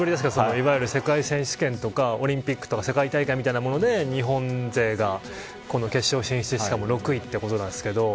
いわゆる世界選手権とかオリンピックとか世界大会みたいなもので日本勢が決勝進出で６位ということなんですけど。